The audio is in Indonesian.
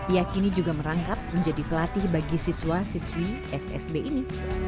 ia kini juga merangkap menjadi pelatih bagi siswa siswi ssb ini